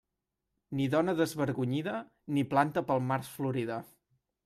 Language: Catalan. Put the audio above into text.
Ni dona desvergonyida, ni planta pel març florida.